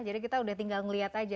jadi kita udah tinggal melihat aja